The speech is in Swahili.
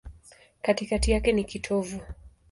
Katikati yake ni kitovu.